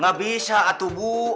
gak bisa atuh bu